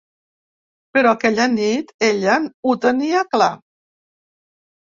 Però aquella nit ella ho tenia clar.